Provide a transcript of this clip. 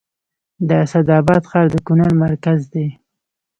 د اسعد اباد ښار د کونړ مرکز دی